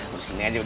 bersini aja udah